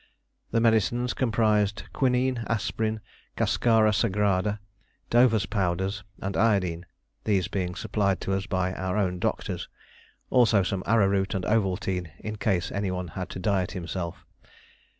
The medicines comprised quinine, aspirin, cascara sagrada, Dover's powders, and iodine, these being supplied to us by our own doctors. Also some arrowroot and Ovaltine in case any one had to diet himself.